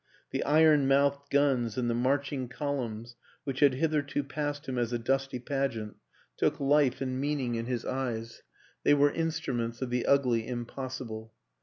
The iron mouthed guns and the marching columns which had hitherto passed him as a dusty pageant took life and meaning in his eyes; they were instru ments of the ugly impossible.